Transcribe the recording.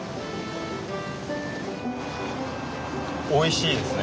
おいしいですね。